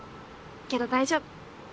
けど大丈夫。